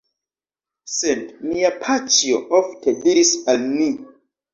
Sed mia paĉjo ofte diris al ni: